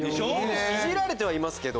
イジられてはいますけど。